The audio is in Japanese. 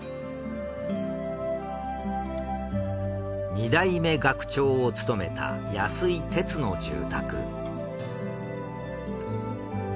二代目学長を務めた安井てつの住宅。